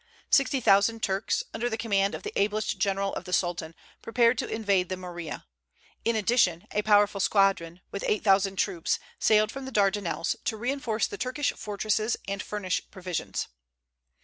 Sixty thousand Turks, under the command of the ablest general of the Sultan, prepared to invade the Morea. In addition, a powerful squadron, with eight thousand troops, sailed from the Dardanelles to reinforce the Turkish fortresses and furnish provisions.